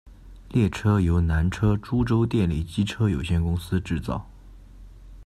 列车由南车株洲电力机车有限公司制造。